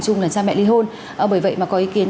chung là cha mẹ ly hôn bởi vậy mà có ý kiến